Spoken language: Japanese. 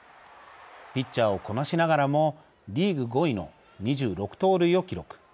ピッチャーをこなしながらもリーグ５位の２６盗塁を記録。